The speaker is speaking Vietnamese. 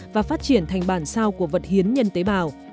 và phát triển thành bản sao của vật hiến nhân tế bào